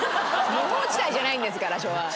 無法地帯じゃないんですから昭和。